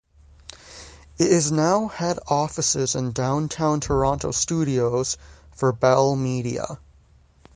It is now head offices and downtown Toronto studios for Bell Media.